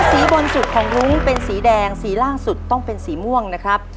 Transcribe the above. บนสุดของมุ้งเป็นสีแดงสีล่างสุดต้องเป็นสีม่วงนะครับ